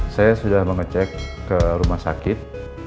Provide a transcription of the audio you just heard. saya sudah mengecek ke rumah sakit